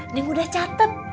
neng udah catet